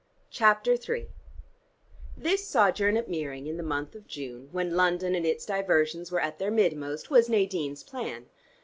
CHAPTER III This sojourn at Meering in the month of June, when London and its diversions were at their midmost, was Nadine's plan.